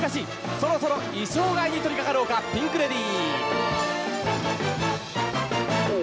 そろそろ衣装替えに取りかかろうかピンク・レディー。